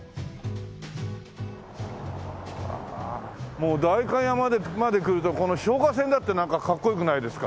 もう代官山まで来るとこの消火栓だってなんかかっこよくないですか？